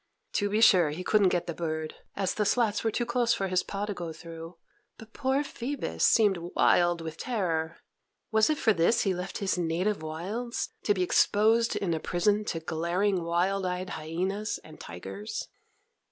To be sure, he couldn't get the bird, as the slats were too close for his paw to go through; but poor Phoebus seemed wild with terror. Was it for this he left his native wilds, to be exposed in a prison to glaring, wild eyed hyenas and tigers?